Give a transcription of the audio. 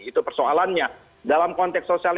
itu persoalannya dalam konteks sosial